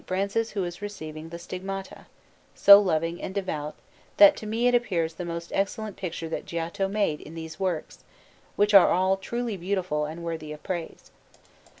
Francis who is receiving the Stigmata, so loving and devout that to me it appears the most excellent picture that Giotto made in these works, which are all truly beautiful and worthy of praise.